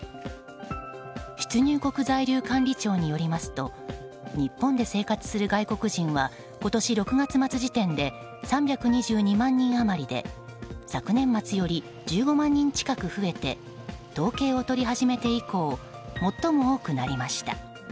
出入国在留管理庁によりますと日本で生活する外国人は今年６月末時点で３２２万人余りで昨年末より１５万人近く増えて統計を取り始めて以降最も多くなりました。